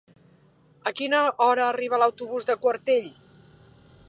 A quina hora arriba l'autobús de Quartell?